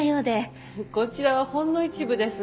こちらはほんの一部です。